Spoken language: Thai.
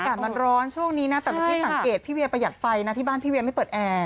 อากาศมันร้อนช่วงนี้นะแต่เมื่อกี้สังเกตพี่เวียประหยัดไฟนะที่บ้านพี่เวียไม่เปิดแอร์